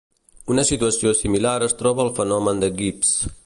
Una situació similar es troba al fenomen de Gibbs.